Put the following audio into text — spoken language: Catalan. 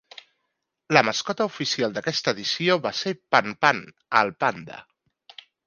La mascota oficial d'aquesta edició va ser PanPan, el panda.